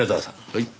はい。